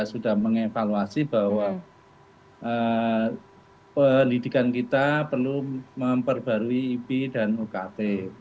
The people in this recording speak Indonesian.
sudah mengevaluasi bahwa penyelidikan kita perlu memperbarui ip dan ukt